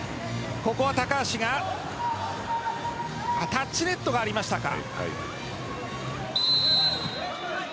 タッチネットがありましたか。